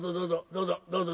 どうぞどうぞ」。